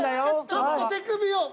ちょっと手首を。